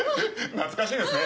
懐かしいですね。